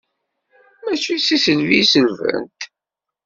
Mačči d tiselbi i selbent.